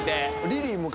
リリー昔。